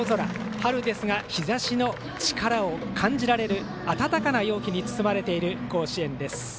春ですが日ざしの力を感じられる暖かな陽気に包まれている甲子園です。